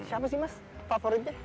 siapa sih mas favoritnya